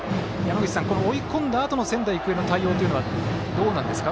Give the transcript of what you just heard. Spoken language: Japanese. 追い込んだあとの仙台育英の対応というのはどうなんですか？